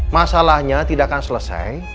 masalahnya tidak akan selesai